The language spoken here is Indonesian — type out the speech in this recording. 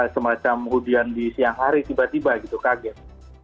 semacam hudian di siang hari tiba tiba gitu kaget